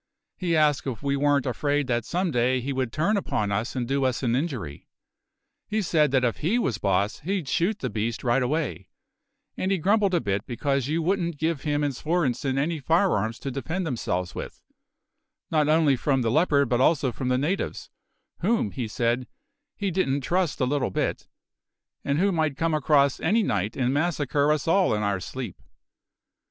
He asked if we weren't afraid that some day he would turn upon us and do us an injury. He said that if he was boss he'd shoot the beast right away; and he grumbled a bit because you wouldn't give him and Svorenssen any firearms to defend themselves with, not only from the leopard but also from the natives, whom, he said, he didn't trust a little bit, and who might come across any night and massacre us all in our sleep.